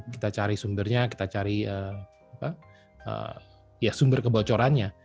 kita cari sumbernya kita cari sumber kebocorannya